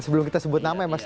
sebelum kita sebut nama ya mas